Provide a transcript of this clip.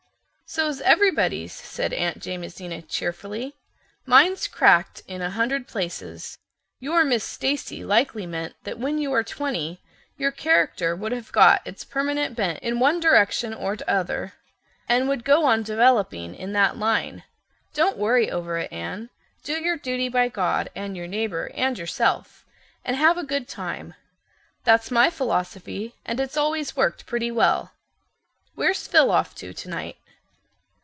"So's everybody's," said Aunt Jamesina cheerfully. "Mine's cracked in a hundred places. Your Miss Stacy likely meant that when you are twenty your character would have got its permanent bent in one direction or 'tother, and would go on developing in that line. Don't worry over it, Anne. Do your duty by God and your neighbor and yourself, and have a good time. That's my philosophy and it's always worked pretty well. Where's Phil off to tonight?"